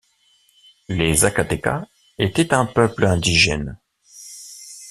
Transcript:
Les Zacatecas étaient un peuple indigène.